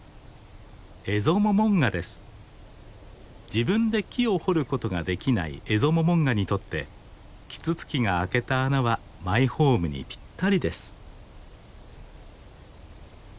自分で木を掘ることができないエゾモモンガにとってキツツキが開けた穴はマイホームにピッタリです。